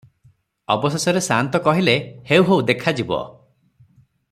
ଅବଶେଷରେ ସାଆନ୍ତ କହିଲେ, "ହେଉ ହେଉଦେଖାଯିବ ।